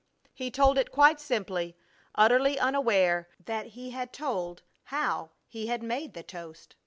He told it quite simply, utterly unaware, that he had told how he had made the toast.